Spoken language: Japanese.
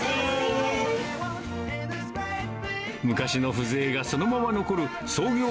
昔の風情がそのまま残る創業